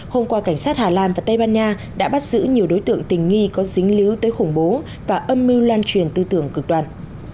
hôm qua cảnh sát hà lan và tây ban nha đã bắt giữ nhiều đối tượng tình nghi có dính lứu tới khủng bố và âm mưu lan truyền tư tưởng cực đoàn